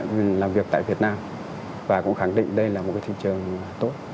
mình làm việc tại việt nam và cũng khẳng định đây là một cái thị trường tốt